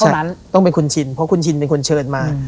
ฉะนั้นต้องเป็นคุณชินเพราะคุณชินเป็นคนเชิญมา